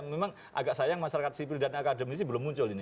memang agak sayang masyarakat sipil dan akademisi belum muncul ini